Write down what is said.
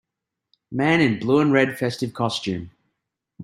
Man in blue and red festive costume.